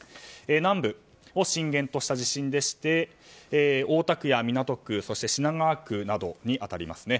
南部を震源とした地震でして大田区や港区、品川区などに当たりますね。